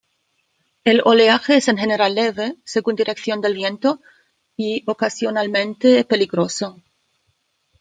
El oleaje es en general leve, según dirección del viento, y ocasionalmente peligroso.